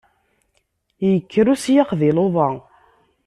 Yekker usyax di luḍa!